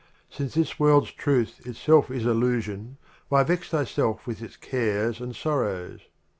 since this World's Truth Omar itself is Illusion, Why vex thyself with its cares and sorrows